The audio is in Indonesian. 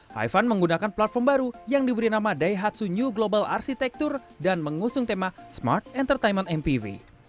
hivan menggunakan platform baru yang diberi nama daihatsu new global arsitektur dan mengusung tema smart entertainment mpv